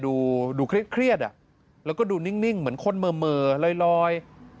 ดูเครียดแล้วก็ดูนิ่งเหมือนคนเหม่อลอย